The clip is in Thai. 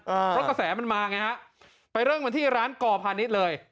เพราะกระแสมันมาไงฮะไปเริ่มกันที่ร้านกอพาณิชย์เลย